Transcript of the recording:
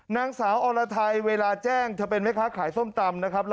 นางสาวอรไทยเวลาแจ้งเธอเป็นแม่ค้าขายส้มตำนะครับ